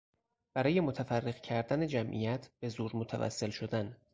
برای متفرق کردن جمعیت به زور متوسل شدن